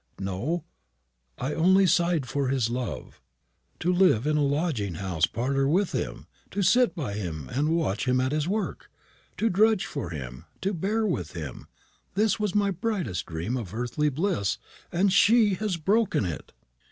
No, I only sighed for his love. To live in a lodging house parlour with him, to sit by and watch him at his work, to drudge for him, to bear with him this was my brightest dream of earthly bliss; and she has broken it!"